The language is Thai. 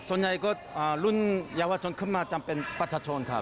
ส่วนใหญ่ก็รุ่นเยาวชนขึ้นมาจำเป็นประชาชนครับ